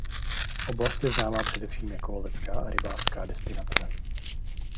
Oblast je známá především jako lovecká a rybářská destinace.